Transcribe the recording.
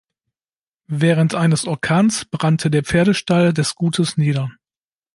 Während eines Orkans brannte der Pferdestall des Gutes nieder.